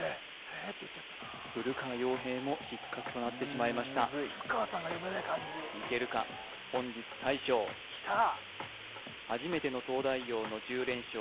「へえ」っていっちゃった古川洋平も失格となってしまいました古川さんが読めない漢字いけるか本日大将きた！